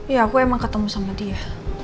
ya aku emang ketemu sama dia